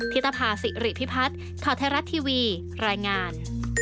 ิตภาษิริพิพัฒน์ข่าวไทยรัฐทีวีรายงาน